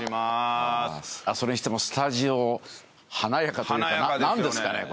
それにしてもスタジオ華やかというか。